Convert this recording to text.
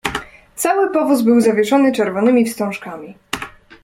"Cały powóz był zawieszony czerwonymi wstążkami."